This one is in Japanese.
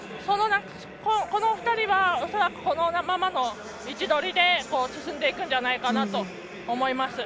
この２人は恐らくこのままの位置取りで、進んでいくのではないかなと思います。